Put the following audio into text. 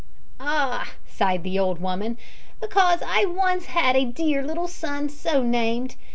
"Ah!" sighed the old woman, "because I once had a dear little son so named.